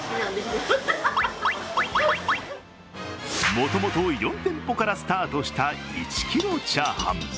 もともと４店舗からスタートした１キロチャーハン。